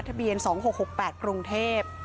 ทะเบียน๒๖๖๘กรุงเทพฯ